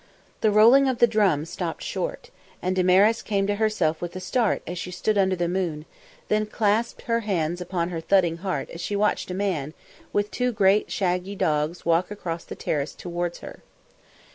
The rolling of the drum stopped short, and Damaris came to herself with a start as she stood under the moon, then clasped her hands upon her thudding heart as she watched a man with two great shaggy dogs walk across the terrace towards her.